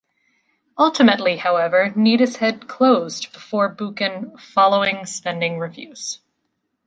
Ultimately, however, Neatishead closed before Buchan following spending reviews.